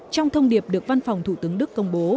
trong thông điệp được văn phòng thủ tướng đức công bố